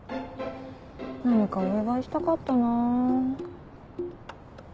何かお祝いしたかったなぁ。